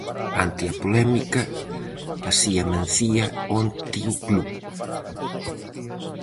Ante a polémica, así amencía onte o club.